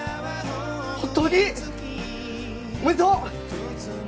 本当におめでとう！